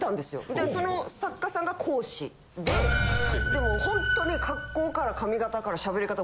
でその作家さんが講師ででもほんとに格好から髪形から喋り方。